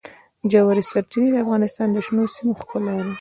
ژورې سرچینې د افغانستان د شنو سیمو ښکلا ده.